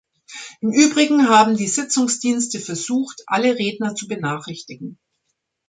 Im Übrigen haben die Sitzungsdienste versucht, alle Redner zu benachrichtigen.